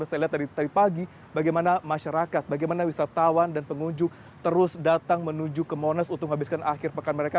saya lihat tadi pagi bagaimana masyarakat bagaimana wisatawan dan pengunjung terus datang menuju ke monas untuk menghabiskan akhir pekan mereka